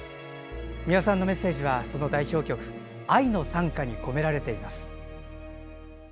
美輪さんのメッセージは代表曲「愛の讃歌」に込められています。